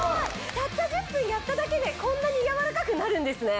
たった１０分やっただけでこんなに軟らかくなるんですね！